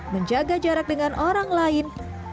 menjaga jarak dengan orang lain